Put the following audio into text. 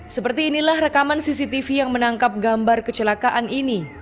seperti inilah rekaman cctv yang menangkap gambar kecelakaan ini